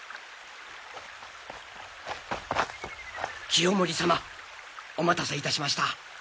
清盛様お待たせいたしました。